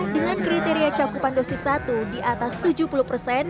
dengan kriteria cakupan dosis satu di atas tujuh puluh persen